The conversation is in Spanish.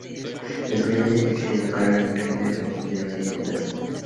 Los Prisioneros de Chile tocaron la legendaria canción "El Baile de los que Sobran".